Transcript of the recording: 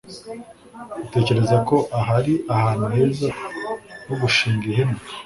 utekereza ko aha ari ahantu heza ho gushinga ihema